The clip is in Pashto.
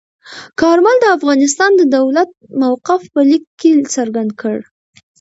کارمل د افغانستان د دولت موقف په لیک کې څرګند کړ.